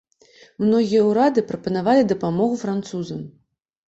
Многія ўрады прапанавалі дапамогу французам.